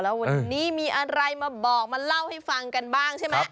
แล้ววันนี้มีอะไรมาบอกมาเล่าให้ฟังกันบ้างใช่ไหม